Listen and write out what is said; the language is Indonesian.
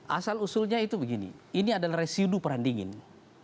asal usulnya itu begini ini adalah residu peranding ini